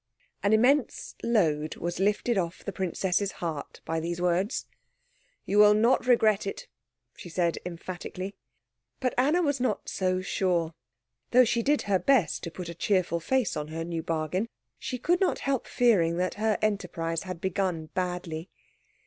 An immense load was lifted off the princess's heart by these words. "You will not regret it," she said emphatically. But Anna was not so sure. Though she did her best to put a cheerful face on her new bargain, she could not help fearing that her enterprise had begun badly.